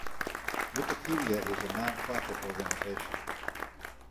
Wikipedia is a non-profit organization.